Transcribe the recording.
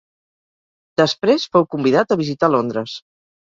Després fou convidat a visitar Londres.